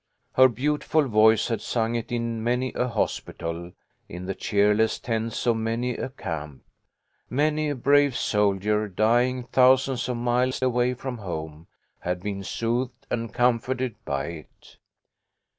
Her beautiful voice had sung it in many a hospital, in the cheerless tents of many a camp. Many a brave soldier, dying thousands of miles away from home, had been soothed and comforted by it.